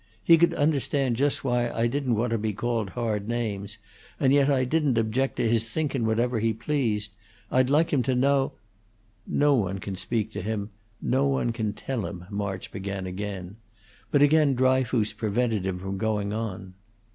He could understand just why I didn't want to be called hard names, and yet I didn't object to his thinkin' whatever he pleased. I'd like him to know " "No one can speak to him, no one can tell him," March began again, but again Dryfoos prevented him from going on.